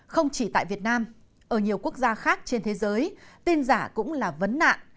không chỉ tại việt nam ở nhiều quốc gia khác trên thế giới tin giả cũng là vấn nạn